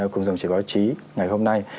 cùng dòng chỉ báo chí ngày hôm nay